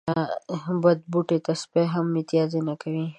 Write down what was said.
بد بوټي ته سپي هم متازې نه کوي.